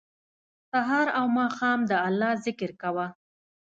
سهار او ماښام د الله ج ذکر کوه